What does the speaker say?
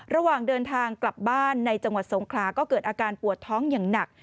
ระหว่างเดินทางกลับบ้านในจังหวัดสงขลาก็เกิดอาการปวดท้องอย่างหนัก